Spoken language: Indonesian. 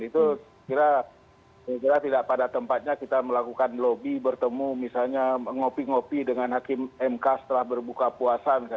itu saya kira tidak pada tempatnya kita melakukan lobby bertemu misalnya ngopi ngopi dengan hakim mk setelah berbuka puasa